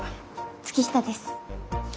月下です。